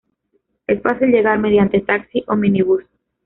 Es fácil llegar mediante taxi o minibús.